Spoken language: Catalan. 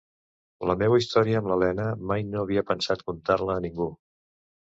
La meua història amb l'Elena mai no havia pensat contar-la a ningú.